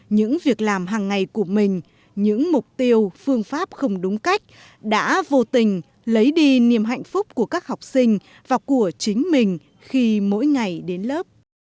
những việc làm hàng ngày của mình những mục tiêu phương pháp không đúng cách đã vô tình lấy đi niềm hạnh phúc của các học sinh và của chính mình khi mỗi ngày đến lớp